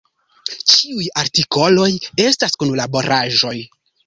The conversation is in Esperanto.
Ĉiuj artikoloj estas kunlaboraĵoj.